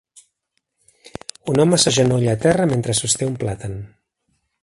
Un home s'agenolla a terra mentre sosté un plàtan.